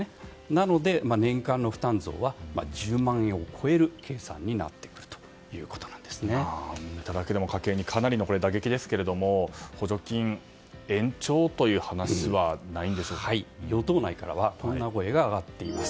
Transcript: なので、年間の負担増は１０万円を超える見ただけでも家計にかなりの打撃ですが補助金、延長という話は与党内からはこんな声が上がっています。